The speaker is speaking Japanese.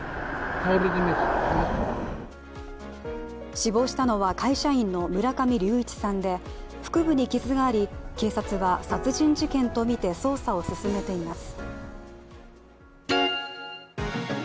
死亡したのは会社員の村上隆一さんで腹部に傷があり警察は殺人事件とみて捜査を進めています。